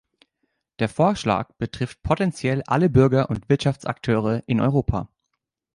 Der Vorschlag betrifft potenziell alle Bürger und Wirtschaftsakteure in Europa.